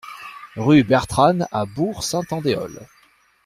Rue Bertranne à Bourg-Saint-Andéol